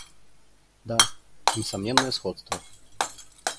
Да, несомненное сходство.